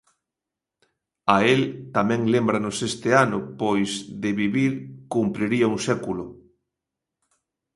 A el tamén lembramos este ano pois de vivir cumpriría un século.